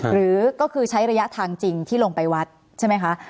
หรือก็คือใช้ระยะทางจริงที่ลงไปวัดใช่ไหมคะ